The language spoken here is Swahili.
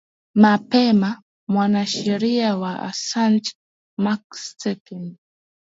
mapema mwanasheria wa asanch mark stephen